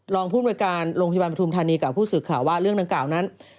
ภูมิหน่วยการโรงพยาบาลปฐุมธานีกับผู้สื่อข่าวว่าเรื่องดังกล่าวนั้น